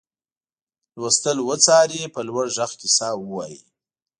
لوستل وڅاري په لوړ غږ کیسه ووايي.